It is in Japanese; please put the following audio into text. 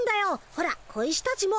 ほら小石たちも。